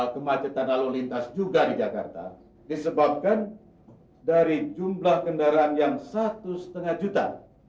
kemacetan lalu lintas juga di jakarta disebabkan dari jumlah kendaraan yang satu lima juta